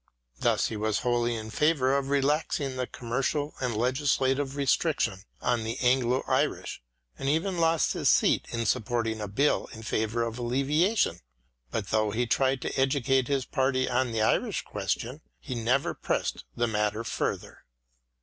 Thus he was wholly in favour of relaxing the commercial and legislative restriction on the Anglo Irish, and even lost his seat in supporting a Bill in favour of alleviation ; but though he tried to educate his party on the Irish question, he never pressed the matter further.